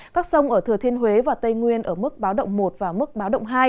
các sông ở thừa thiên huế và tây nguyên ở mức báo động một và mức báo động hai